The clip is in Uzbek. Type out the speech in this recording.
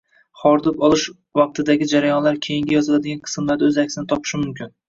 Hordiq olish vaqtidagi jarayonlar keyingi yoziladigan qismlarda o’z aksini topishi mumkin